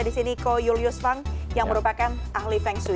saya niko julius fang yang merupakan ahli feng shui